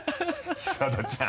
久田ちゃん。